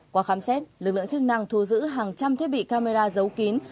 qua khám xét lực lượng chức năng thu giữ hàng trăm thiết bị camera giấu kín